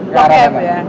ke arah sana